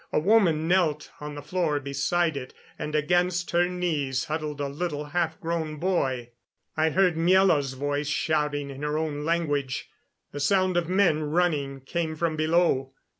A woman knelt on the floor beside it, and against her knees huddled a little half grown boy. I heard Miela's voice shouting in her own language. The sound of men running came from below.